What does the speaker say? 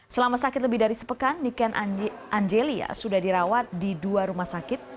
selama sakit lebih dari sepekan niken angelia sudah dirawat di dua rumah sakit